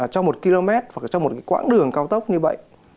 trong một km và trong một quãng đường cao tốc như vậy